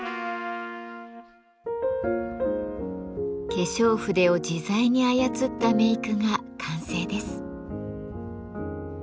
化粧筆を自在に操ったメークが完成です。